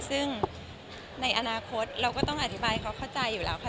ซึ่งในอนาคตเราก็ต้องอธิบายให้เขาเข้าใจอยู่แล้วค่ะ